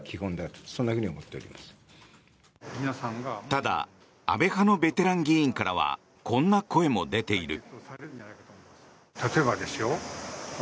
ただ安倍派のベテラン議員からはこんな声も出ている。